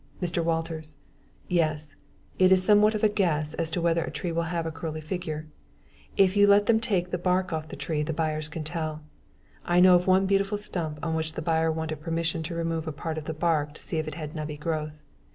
MR. WALTERS: Yes. It is somewhat of a guess as to whether a tree will have a curly figure. If you let them take the bark off a tree, the buyers can tell. I know of one beautiful stump on which the buyer wanted permission to remove part of its bark to see if it had nubby growth.